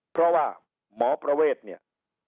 เพราะว่าหมอประเวทเนี่ย